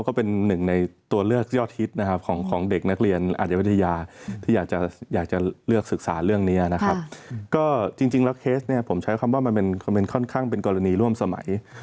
ก็จริงแล้วเคสผมใช้คำว่ามันเป็นค่อนข้างเป็นกรณีร่วมสมัย